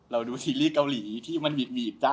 เราดูซีรีส์เกาหลีที่มีด